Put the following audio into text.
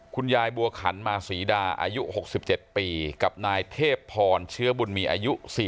คุณยายบัวขันมาศรีดาอายุ๖๗ปีกับนายเทพพรเชื้อบุญมีอายุ๔๐